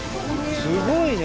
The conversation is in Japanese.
すごいね。